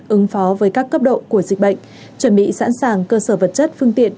ứng phó với các cấp độ của dịch bệnh chuẩn bị sẵn sàng cơ sở vật chất phương tiện